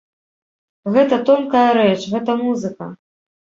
Гэта тонкая рэч, гэта музыка.